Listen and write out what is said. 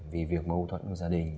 vì việc bâu thuẫn với gia đình